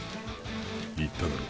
言っただろう。